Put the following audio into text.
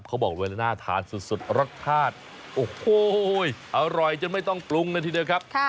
เขาบอกเลยน่าทานสุดรสชาติโอ้โหอร่อยจนไม่ต้องปรุงเลยทีเดียวครับ